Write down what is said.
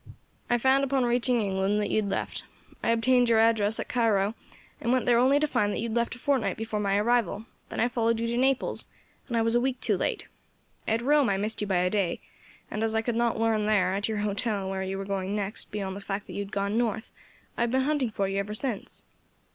I found upon reaching England that you had left; I obtained your address at Cairo, and went there only to find you had left a fortnight before my arrival; then I followed you to Naples, and was a week too late. At Rome I missed you by a day, and as I could not learn there, at your hotel, where you were going next, beyond the fact that you had gone North, I have been hunting for you ever since."